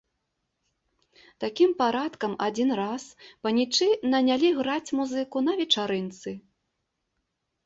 Такім парадкам адзін раз панічы нанялі граць музыку на вечарынцы.